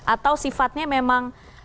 atau sifatnya memang